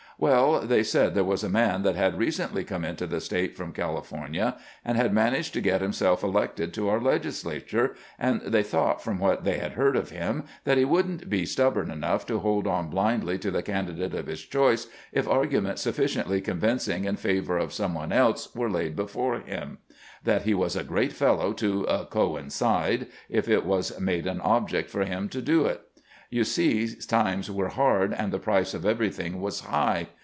Well, they said there was a man that had recently come into the State from California, and had managed to get himself elected to our legislature, and they thought, from what they had heard of him, that he would n't be stubborn enough to hold on blindly to the candidate of his choice if argument sufficiently convinc ing in favor of some one else were laid before him ; that he was a great feUow to " coincide " if it was made an object for him to do it. You see, times were hard, and the price of everything was high.